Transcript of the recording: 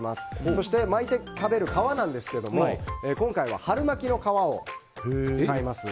そして巻いて食べる皮なんですが今回は春巻きの皮を使います。